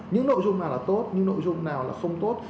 những nội dung nào là tốt nhưng nội dung nào là không tốt